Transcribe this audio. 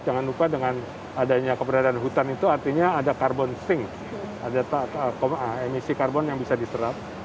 jangan lupa dengan adanya keberadaan hutan itu artinya ada carbon stink ada emisi karbon yang bisa diserap